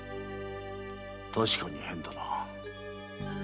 確かに変だな。